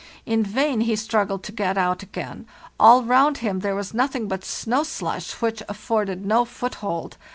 In vain he struggled to get out again; all around him there was nothing but snow slush, which afforded no foothold.